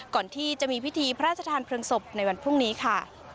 ก่อนที่จะมีพิธีพระราชทานเพลิงศพในวันพรุ่งนี้ค่ะ